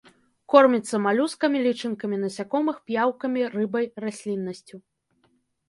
Корміцца малюскамі, лічынкамі насякомых, п'яўкамі, рыбай, расліннасцю.